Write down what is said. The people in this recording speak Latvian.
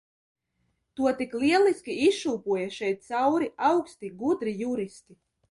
To tik lieliski izšūpoja šeit cauri augsti, gudri juristi.